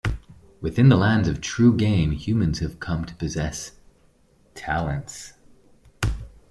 Within the Lands of the True Game, humans have come to possess "talents".